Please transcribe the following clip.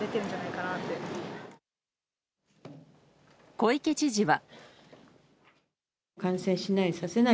小池知事は。